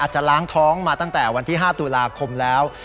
จะล้างท้องมาตั้งแต่วันที่๕ตุลาคมแล้ว